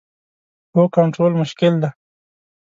هو، کنټرول مشکل دی